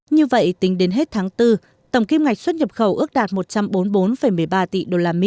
như vậy tính đến hết tháng bốn tổng kim ngạch xuất nhập khẩu ước đạt một trăm bốn mươi bốn một mươi ba tỷ usd